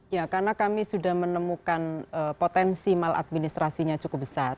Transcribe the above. ya karena kami sudah menemukan potensi maladministrasinya cukup besar